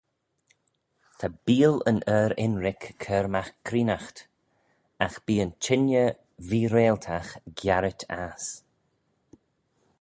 Ta beeal yn er-ynrick cur magh creenaght: agh bee yn chengey vee-reiltagh giarit ass.